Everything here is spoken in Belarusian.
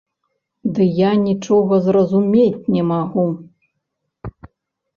Ды я нічога зразумець не магу!